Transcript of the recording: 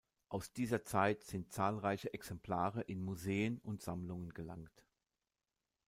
Aus dieser Zeit sind zahlreiche Exemplare in Museen und Sammlungen gelangt.